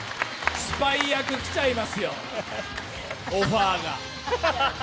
スパイ役、来ちゃいますよ、オファーが。